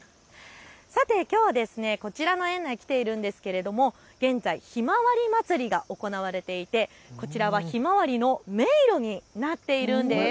さて、きょうはこちらの園に来ているんですが現在、ひまわりまつりが行われていてひまわりの迷路になっているんです。